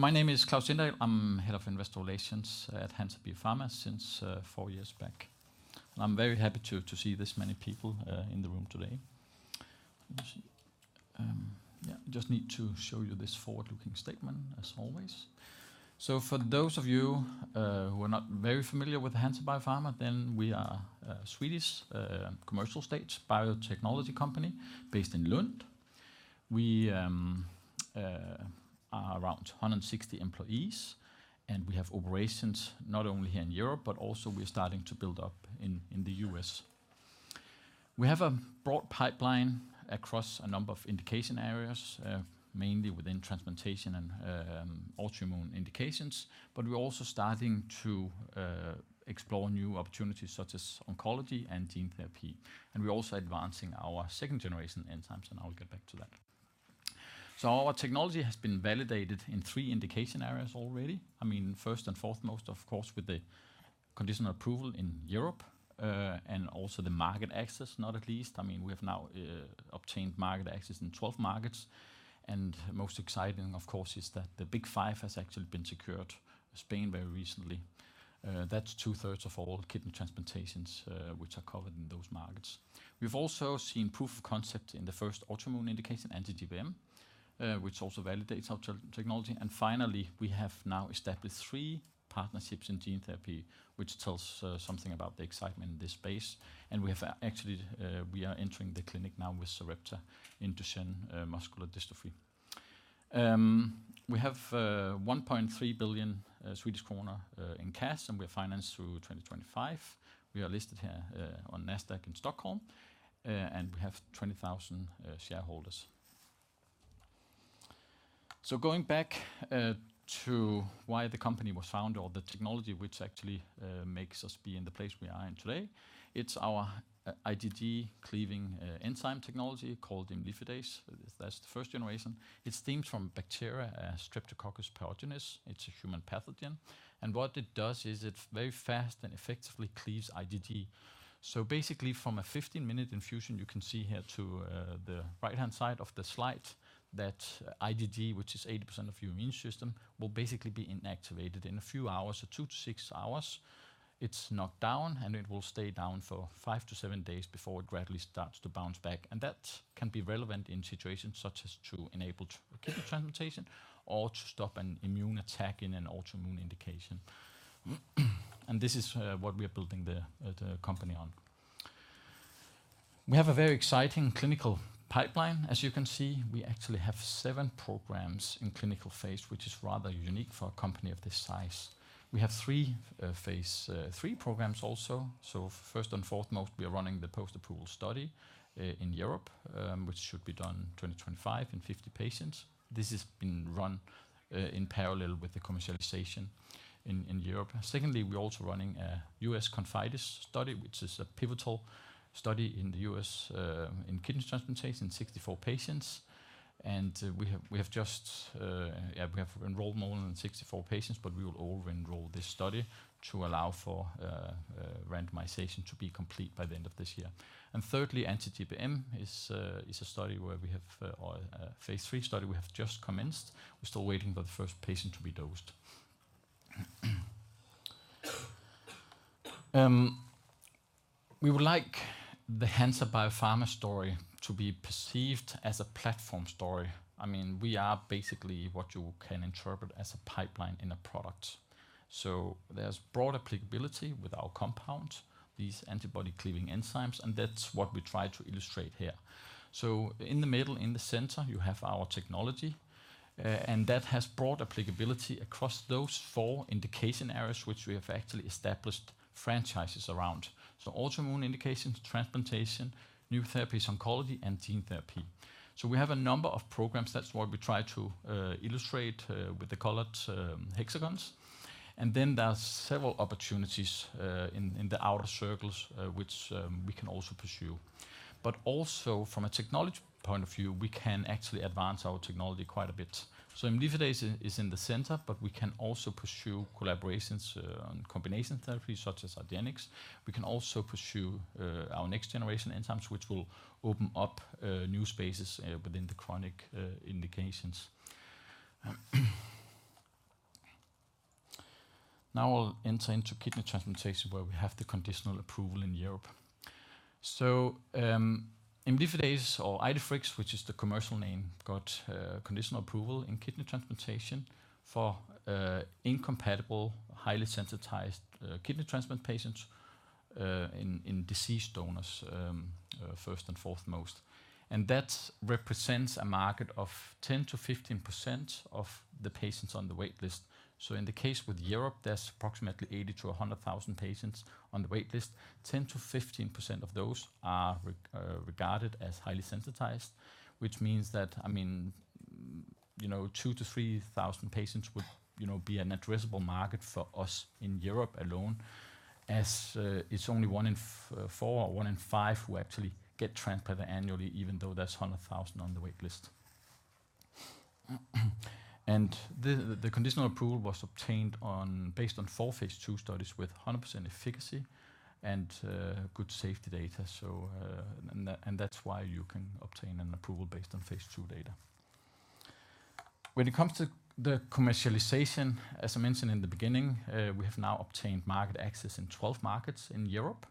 My name is Klaus Sindahl. I'm Head of Investor Relations at Hansa Biopharma since four years back. I'm very happy to see this many people in the room today. Yeah, just need to show you this forward-looking statement, as always. For those of you who are not very familiar with the Hansa Biopharma, then we are a Swedish commercial-stage biotechnology company based in Lund. We are around 160 employees, and we have operations not only here in Europe, but also we're starting to build up in the U.S. We have a broad pipeline across a number of indication areas, mainly within transplantation and autoimmune indications, but we're also starting to explore new opportunities such as oncology and gene therapy. We're also advancing our second-generation enzymes, and I'll get back to that. Our technology has been validated in three indication areas already. I mean, first and foremost, of course, with the conditional approval in Europe, and also the market access, not at least. I mean, we have now obtained market access in 12 markets, and most exciting, of course, is that the Big Five has actually been secured, Spain very recently. That's two-thirds of all kidney transplantations, which are covered in those markets. We've also seen proof of concept in the first autoimmune indication, anti-GBM, which also validates our technology. Finally, we have now established three partnerships in gene therapy, which tells something about the excitement in this space. We have actually, we are entering the clinic now with Sarepta in Duchenne muscular dystrophy. We have 1.3 billion Swedish kronor in cash, and we're financed through 2025. We are listed here on Nasdaq in Stockholm, and we have 20,000 shareholders. Going back to why the company was founded or the technology which actually makes us be in the place we are in today, it's our IgG cleaving enzyme technology called Imlifidase. That's the first generation. It's themed from bacteria, Streptococcus pyogenes. It's a human pathogen, and what it does is it very fast and effectively cleaves IgG. Basically, from a 15-minute infusion, you can see here to the right-hand side of the slide, that IgG, which is 80% of your immune system, will basically be inactivated. In a few hours, so two to six hours, it's knocked down, and it will stay down for five to seven days before it gradually starts to bounce back. That can be relevant in situations such as to enable kidney transplantation or to stop an immune attack in an autoimmune indication. This is what we are building the company on. We have a very exciting clinical pipeline. As you can see, we actually have seven programs in clinical phase, which is rather unique for a company of this size. We have three phase III programs also. First and foremost, we are running the post-approval study in Europe, which should be done 2025 in 50 patients. This has been run in parallel with the commercialization in Europe. We're also running a U.S. ConfIdeS study, which is a pivotal study in the U.S., in kidney transplantation in 64 patients. We have just enrolled more than 64 patients, but we will over-enroll this study to allow for randomization to be complete by the end of this year. Thirdly, anti-GBM is a study where we have, or a phase III study we have just commenced. We're still waiting for the first patient to be dosed. We would like the Hansa Biopharma story to be perceived as a platform story. I mean, we are basically what you can interpret as a pipeline in a product. There's broad applicability with our compound, these antibody-cleaving enzymes, and that's what we try to illustrate here. In the middle, in the center, you have our technology, and that has broad applicability across those four indication areas, which we have actually established franchises around. Autoimmune indications, transplantation, new therapies, oncology, and gene therapy. We have a number of programs. That's what we try to illustrate with the colored hexagons. There are several opportunities in the outer circles, which we can also pursue. Also from a technology point of view, we can actually advance our technology quite a bit. Imlifidase is in the center, but we can also pursue collaborations on combination therapy, such as Idenix. We can also pursue our next-generation enzymes, which will open up new spaces within the chronic indications. I'll enter into kidney transplantation, where we have the conditional approval in Europe. Imlifidase or IDEFIRIX, which is the commercial name, got conditional approval in kidney transplantation for incompatible, highly sensitized kidney transplant patients in deceased donors first and foremost. That represents a market of 10%-15% of the patients on the wait list. In the case with Europe, there's approximately 80,000-100,000 patients on the wait list. 10%-15% of those are regarded as highly sensitized, which means that, I mean, you know, 2,000-3,000 patients would, you know, be an addressable market for us in Europe alone, as it's only one in four or one in five who actually get transplanted annually, even though there's 100,000 on the wait list. The conditional approval was obtained on... based on four phase II studies with 100% efficacy and good safety data. That's why you can obtain an approval based on phase II data. when it comes to the commercialization, as I mentioned in the beginning, we have now obtained market access in 12 markets in Europe,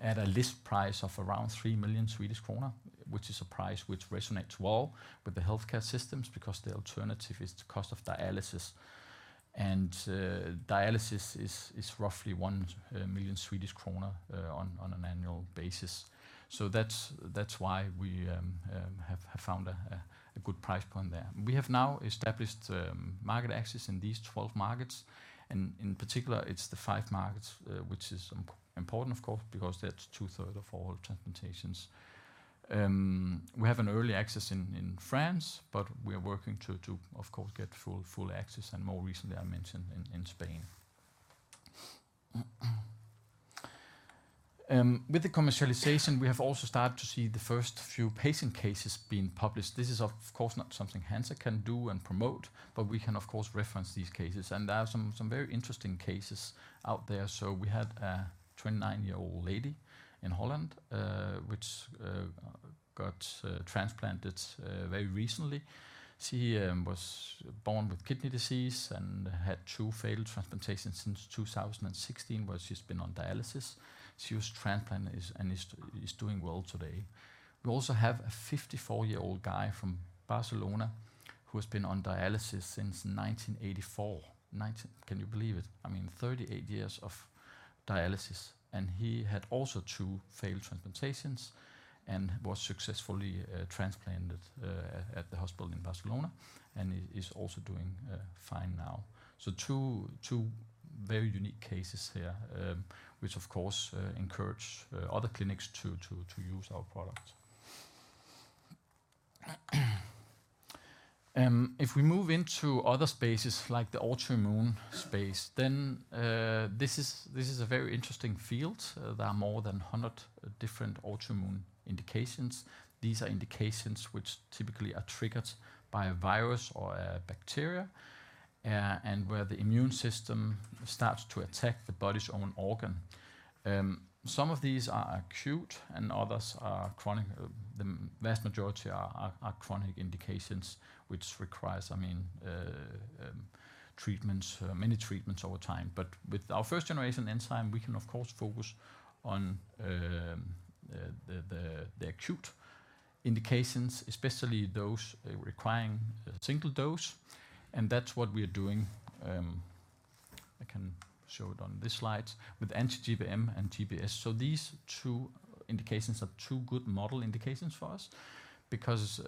at a list price of around 3 million Swedish kronor, which is a price which resonates well with the healthcare systems, because the alternative is the cost of dialysis. Dialysis is roughly 1 million Swedish kronor on an annual basis. That's why we have found a good price point there. We have now established market access in these 12 markets, and in particular, it's the five markets, which is important, of course, because that's two-thirds of all transplantations. We have an early access in France, but we are working to of course, get full access, and more recently, I mentioned in Spain. With the commercialization, we have also started to see the first few patient cases being published. This is, of course, not something Hansa can do and promote, but we can, of course, reference these cases, and there are some very interesting cases out there. We had a 29-year-old lady in Holland, which got transplanted very recently. She was born with kidney disease and had 2 failed transplantations since 2016, where she's been on dialysis. She was transplanted and is doing well today. We also have a 54-year-old guy from Barcelona who has been on dialysis since 1984. Can you believe it? I mean, 38 years of dialysis, and he had also two failed transplantations and was successfully transplanted at the hospital in Barcelona, and he is also doing fine now. Two very unique cases here, which of course encourage other clinics to use our product. If we move into other spaces, like the autoimmune space, then this is a very interesting field. There are more than 100 different autoimmune indications. These are indications which typically are triggered by a virus or a bacteria, and where the immune system starts to attack the body's own organ. Some of these are acute, and others are chronic. The vast majority are chronic indications, which requires, I mean, treatments, many treatments over time. With our first-generation enzyme, we can, of course, focus on the acute indications, especially those requiring a single dose, and that's what we are doing. I can show it on this slide with anti-GBM and GBS. These two indications are two good model indications for us because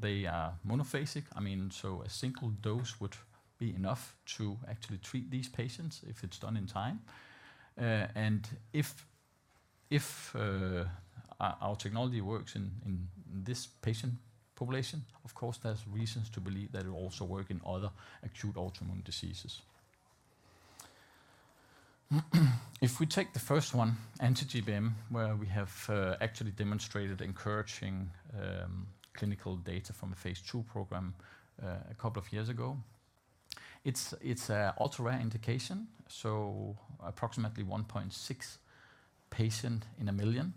they are monophasic. I mean, a single dose would be enough to actually treat these patients if it's done in time. If our technology works in this patient population, of course, there's reasons to believe that it will also work in other acute autoimmune diseases. If we take the first one, anti-GBM, where we have actually demonstrated encouraging clinical data from a phase two program a couple of years ago, it's a ultra-rare indication, so approximately 1.6 patient in a million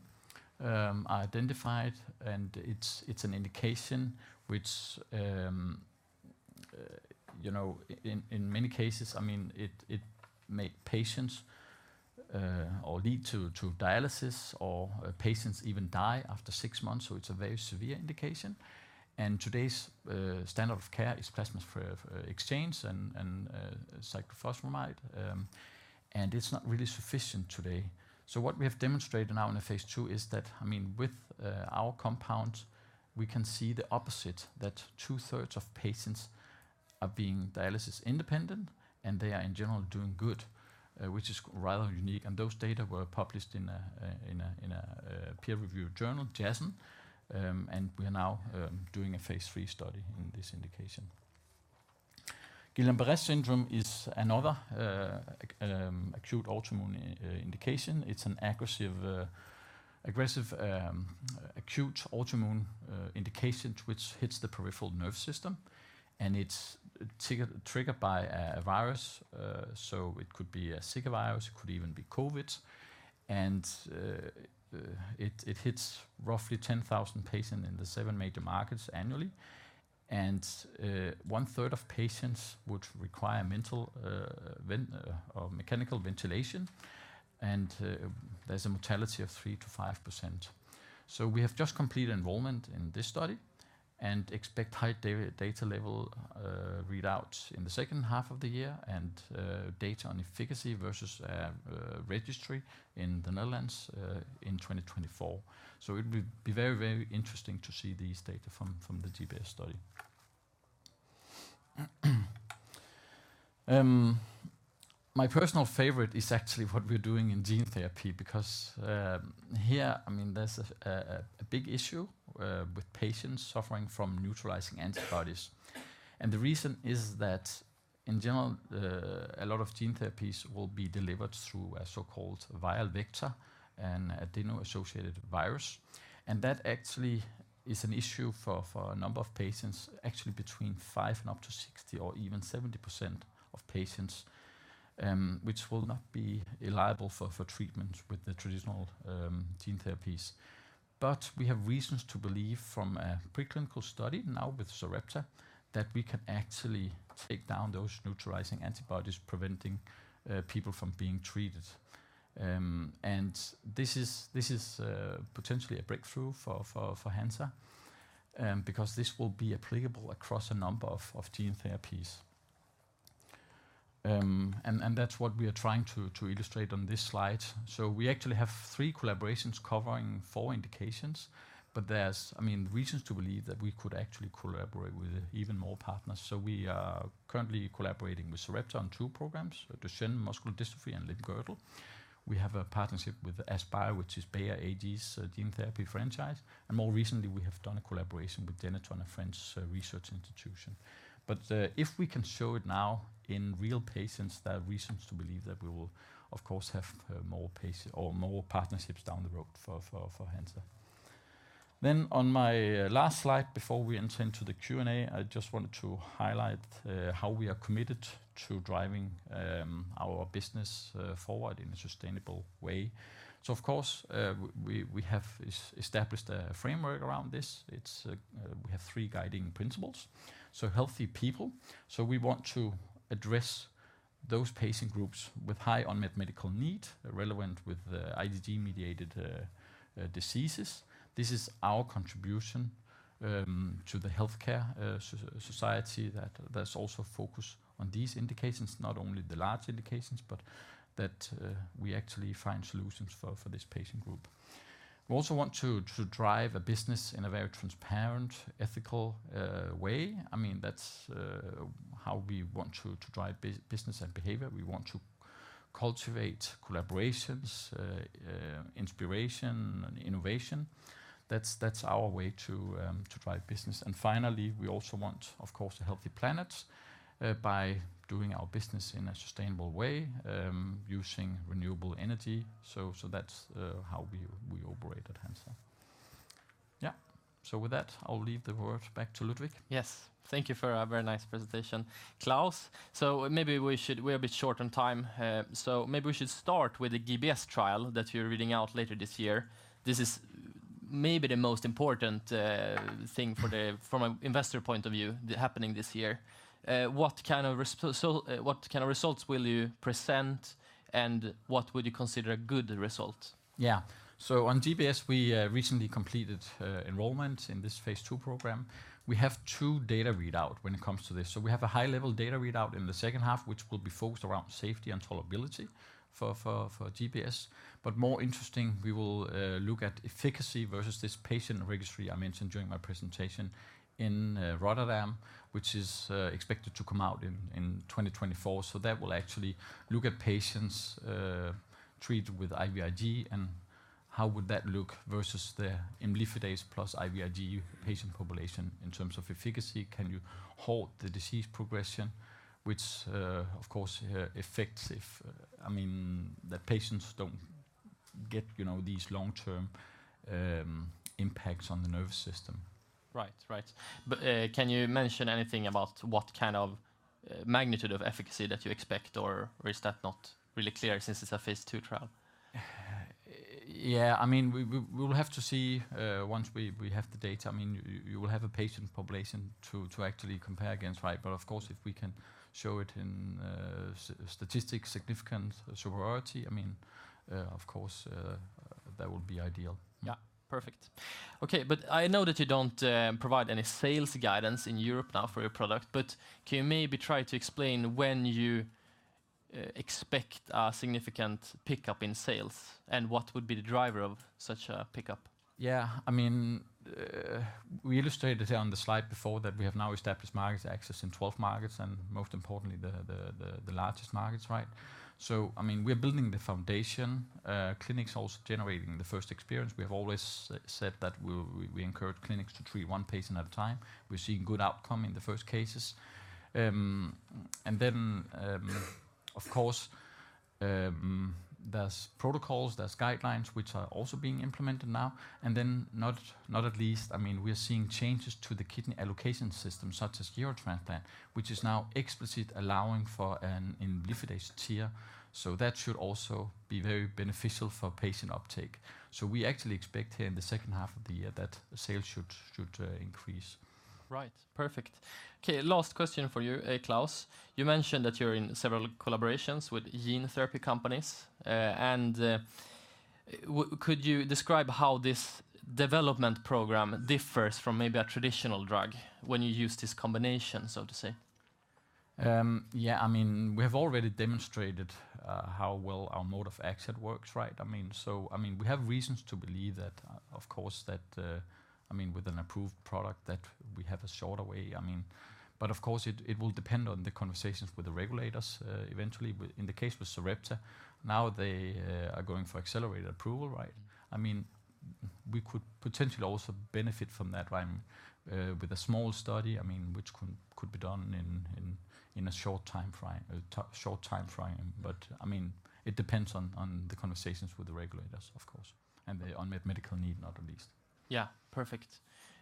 are identified. It's an indication which, you know, in many cases, I mean, it make patients or lead to dialysis, or patients even die after six months, so it's a very severe indication. Today's standard of care is plasmapheresis exchange and cyclophosphamide. It's not really sufficient today. What we have demonstrated now in the phase II is that, I mean, with our compound, we can see the opposite, that two-thirds of patients are being dialysis independent, and they are, in general, doing good, which is rather unique. Those data were published in a peer-reviewed journal, JASN. We are now doing a phase III study in this indication. Guillain-Barré syndrome is another acute autoimmune indication. It's an aggressive acute autoimmune indication which hits the peripheral nerve system, and it's triggered by a virus. It could be a Zika virus, it could even be COVID. It hits roughly 10,000 patient in the seven major markets annually. One-third of patients would require mental or mechanical ventilation, and there's a mortality of 3% to 5%. We have just completed enrollment in this study and expect high data level readouts in the second half of the year and data on efficacy versus registry in the Netherlands in 2024. It will be very interesting to see these data from the GBS study. My personal favorite is actually what we're doing in gene therapy because here, I mean, there's a big issue with patients suffering from neutralizing antibodies. The reason is that, in general, a lot of gene therapies will be delivered through a so-called viral vector and adeno-associated virus. That actually is an issue for a number of patients, actually, between 5 and up to 60% or even 70% of patients. Which will not be eligible for treatment with the traditional gene therapies. We have reasons to believe from a preclinical study now with Sarepta that we can actually take down those neutralizing antibodies preventing people from being treated. This is potentially a breakthrough for Hansa because this will be applicable across a number of gene therapies. That's what we are trying to illustrate on this slide. We actually have three collaborations covering four indications, but there's, I mean, reasons to believe that we could actually collaborate with even more partners. We are currently collaborating with Sarepta on two programs, Duchenne muscular dystrophy and limb-girdle. We have a partnership with AskBio, which is Bayer AG's gene therapy franchise. More recently, we have done a collaboration with Genethon, a French research institution. If we can show it now in real patients, there are reasons to believe that we will, of course, have more patient or more partnerships down the road for Hansa. On my last slide, before we enter into the Q&A, I just wanted to highlight how we are committed to driving our business forward in a sustainable way. Of course, we have established a framework around this. It's, we have three guiding principles. Healthy people, we want to address those patient groups with high unmet medical need, relevant with IgG-mediated diseases. This is our contribution to the healthcare society, that there's also focus on these indications, not only the large indications, but that we actually find solutions for this patient group. We also want to drive a business in a very transparent, ethical way. I mean, that's how we want to drive business and behavior. We want to cultivate collaborations, inspiration and innovation. That's our way to drive business. Finally, we also want, of course, a healthy planet by doing our business in a sustainable way, using renewable energy. That's how we operate at Hansa. Yeah. With that, I'll leave the word back to Ludvig. Yes. Thank you for a very nice presentation, Klaus. Maybe we should... We're a bit short on time, so maybe we should start with the GBS trial that you're reading out later this year. This is maybe the most important thing for the, from an investor point of view, happening this year. What kind of results will you present, and what would you consider a good result? On GBS, we recently completed enrollment in this phase II program. We have two data readout when it comes to this. We have a high-level data readout in the second half, which will be focused around safety and tolerability for GBS. More interesting, we will look at efficacy versus this patient registry I mentioned during my presentation in Rotterdam, which is expected to come out in 2024. That will actually look at patients treated with IVIG, and how would that look versus the Imlifidase plus IVIG patient population in terms of efficacy? Can you halt the disease progression, which, of course, affects if, I mean, the patients don't get, you know, these long-term impacts on the nervous system. Right. Right. Can you mention anything about what kind of magnitude of efficacy that you expect, or is that not really clear since it's a phase II trial? Yeah, I mean, we'll have to see, once we have the data. I mean, you will have a patient population to actually compare against, right? Of course, if we can show it in statistic significant superiority, I mean, of course, that would be ideal. Yeah, perfect. Okay. I know that you don't provide any sales guidance in Europe now for your product. Can you maybe try to explain when you expect a significant pickup in sales, and what would be the driver of such a pickup? Yeah, I mean, we illustrated it on the slide before, that we have now established market access in 12 markets. Most importantly, the largest markets, right? I mean, we're building the foundation. Clinics are also generating the first experience. We have always said that we encourage clinics to treat 1 patient at a time. We're seeing good outcome in the first cases. Then, of course, there's protocols, there's guidelines, which are also being implemented now. Not at least, I mean, we are seeing changes to the kidney allocation system, such as Eurotransplant, which is now explicit, allowing for an Imlifidase tier. That should also be very beneficial for patient uptake. We actually expect here in the second half of the year that sales should increase. Right. Perfect. Okay, last question for you, Klaus. You mentioned that you're in several collaborations with gene therapy companies. Could you describe how this development program differs from maybe a traditional drug when you use this combination, so to say? Yeah, I mean, we have already demonstrated how well our mode of action works, right? I mean, we have reasons to believe that, of course, that, I mean, with an approved product, that we have a shorter way. I mean. Of course, it will depend on the conversations with the regulators eventually. In the case with Sarepta, now they are going for accelerated approval, right? I mean, we could potentially also benefit from that, right? With a small study, I mean, which could be done in a short time frame. I mean, it depends on the conversations with the regulators, of course, and the unmet medical need, not at least. Yeah, perfect.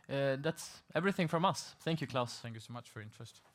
That's everything from us. Thank you, Klaus. Thank you so much for your interest.